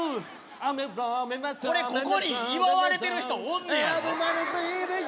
これここに祝われてる人おんねやろ？